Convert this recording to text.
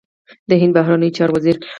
د هند بهرنیو چارو وزیر